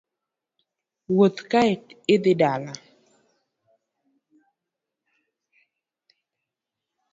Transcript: Wuoth kae idhi dala.